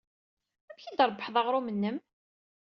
Amek ay d-trebbḥed aɣrum-nnem?